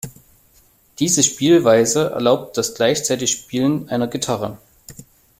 Diese Spielweise erlaubt das gleichzeitige Spielen einer Gitarre.